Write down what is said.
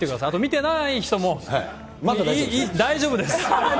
あと見てない人も、大丈夫です。